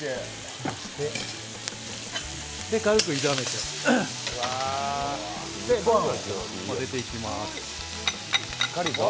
軽く炒めて、ご飯をまぜていきます